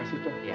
disini dulu ya